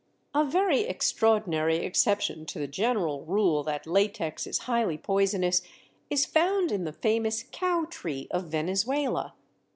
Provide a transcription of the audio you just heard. A very extraordinary exception to the general rule that latex is highly poisonous, is found in the famous Cow Tree of Venezuela.